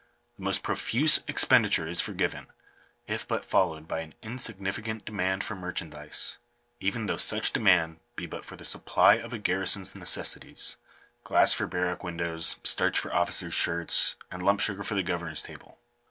The most profuse ex penditure is forgiven, if but followed by an insignificant demand for merchandise ; even though such demand be but for the sup ply of a garrisons necessities — glass for barrack windows, starch for officers' shirts, and lump sugar for the governor's table — all * For these and other such facta, see Sir W.